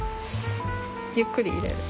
ゆっくり入れる。